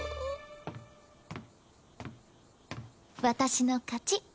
私の勝ち。